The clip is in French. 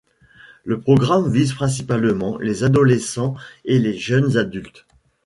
Le programme vise principalement les adolescents et les jeunes adultes.